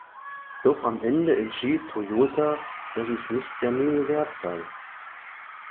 Doch am Ende entschied Toyota, dass es nicht der Mühe wert sei.